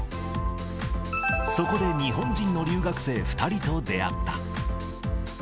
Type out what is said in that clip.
そこで日本人の留学生２人と出会った。